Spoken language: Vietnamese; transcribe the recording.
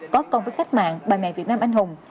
có con với khách mạng bà mẹ việt nam anh hùng